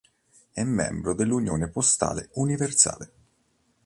È membro dell'Unione postale universale.